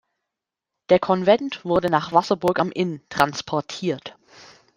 Der Konvent wurde nach Wasserburg am Inn „transportiert“.